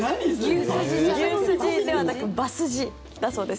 牛スジではなく馬スジだそうです。